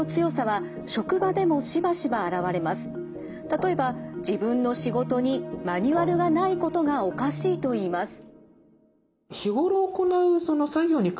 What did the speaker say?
例えば自分の仕事にマニュアルがないことがおかしいといいます。